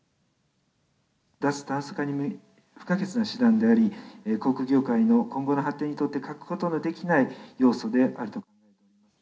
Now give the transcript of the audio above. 脱炭素化に不可欠な手段であり、航空業界の今後の発展にとって欠くことのできない要素であると。